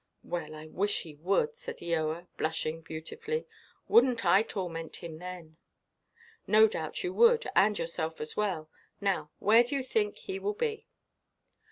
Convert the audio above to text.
"Well, I wish he would," said Eoa, blushing beautifully; "wouldnʼt I torment him then?" "No doubt you would, and yourself as well. Now where do you think he will be?"